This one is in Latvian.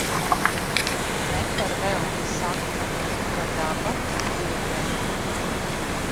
Ne par velti saka, ka daba dziedē.